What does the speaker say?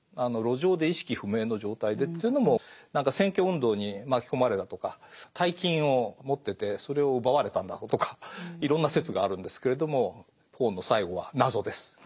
路上で意識不明の状態でというのも何か選挙運動に巻き込まれたとか大金を持っててそれを奪われたんだとかいろんな説があるんですけれどもポーの最期は謎です。